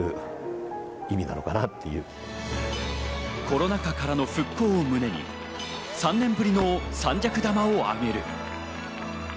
コロナ禍からの復興を胸に、３年ぶりの三尺玉をあげる。